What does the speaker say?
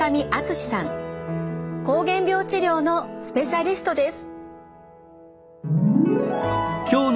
膠原病治療のスペシャリストです。